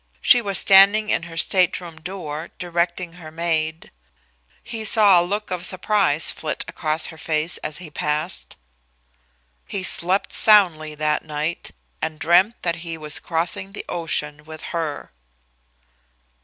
She was standing in her stateroom door, directing her maid. He saw a look of surprise flit across her face as he passed. He slept soundly that night, and dreamed that he was crossing the ocean with her.